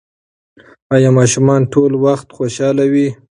ایا ماشومان ټول وخت خوشحاله وي؟